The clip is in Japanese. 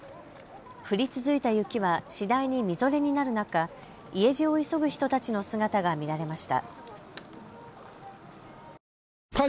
降り続いた雪は次第にみぞれになる中、家路を急ぐ人たちの姿が見られました。